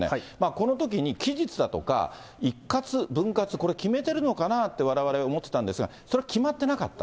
このときに期日だとか、一括、分割、これ決めてるのかなってわれわれ思ってたんですけど、はい。